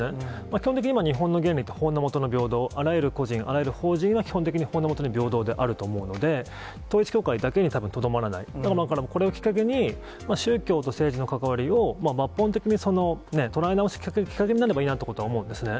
基本的に今、日本では、法の下の平等、あらゆる個人、あらゆる法人は基本的に法の下に平等であると思うので、統一教会だけにたぶんとどまらない、これをきっかけに、宗教と政治の関わりを、抜本的に捉え直すきっかけになればいいなということは思うんですね。